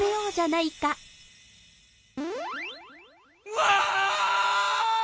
うわ！